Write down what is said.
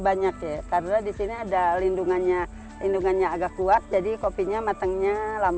banyak ya karena disini ada lindungannya lindungannya agak kuat jadi kopinya matangnya